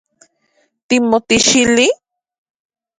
¿Timotixili?